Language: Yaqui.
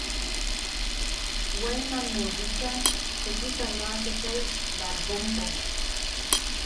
Guaymammeu bicha tekipanoasekai barkompo.